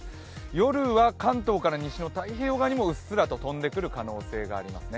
夜は関東から西の太平洋側にもうっすらと飛んでくる可能性がありますね。